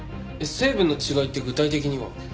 成分の違いって具体的には？